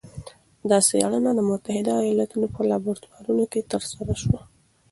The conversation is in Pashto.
دا څېړنه د متحده ایالتونو په لابراتورونو کې ترسره شوه.